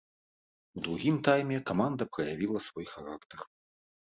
У другім тайме каманда праявіла свой характар.